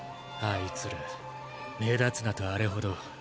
あいつら目立つなとあれほど。